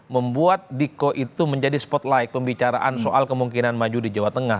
membuat diko itu menjadi spotlight pembicaraan soal kemungkinan maju di jawa tengah